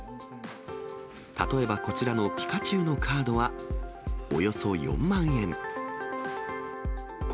例えばこちらのピカチュウのカードはおよそ４万円。